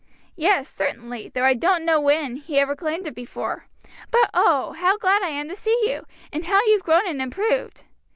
"Yes, certainly; though I don't know when, he ever claimed it before. But oh, how glad I am to gee you! and how you've grown and improved.